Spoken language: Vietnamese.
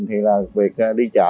việc đi chợ việc đi chợ việc đi chợ